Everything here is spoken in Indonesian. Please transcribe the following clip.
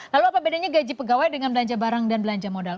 lalu apa bedanya gaji pegawai dengan belanja barang dan belanja modal